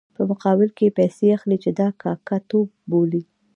په مقابل کې یې پیسې اخلي چې دا کاکه توب بولي.